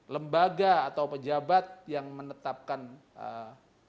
lembaga atau pejabat yang menetapkan ee